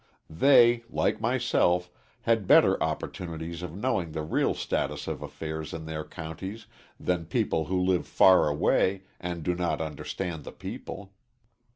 They, like myself, had better opportunities of knowing the real status of affairs in their counties than people who live far away, and do not understand the people.